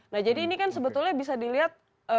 nah jadi ini kan sebetulnya bisa dilihat